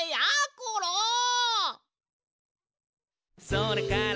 「それから」